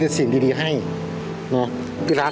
สวัสดีครับ